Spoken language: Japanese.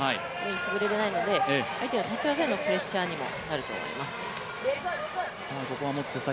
潰れられないので、相手が立ち上がるプレッシャーにもなると思います。